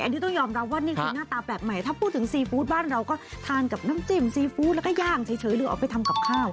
อันนี้ต้องยอมรับว่านี่คือหน้าตาแบบใหม่ถ้าพูดถึงซีฟู้ดบ้านเราก็ทานกับน้ำจิ้มซีฟู้ดแล้วก็ย่างเฉยหรือเอาไปทำกับข้าว